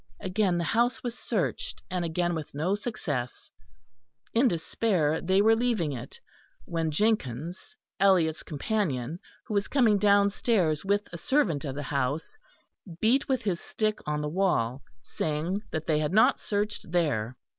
Again the house was searched, and again with no success. In despair they were leaving it, when Jenkins, Eliot's companion, who was coming downstairs with a servant of the house, beat with his stick on the wall, saying that they had not searched there.